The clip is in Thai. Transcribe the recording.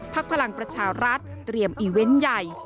พลังประชารัฐเตรียมอีเวนต์ใหญ่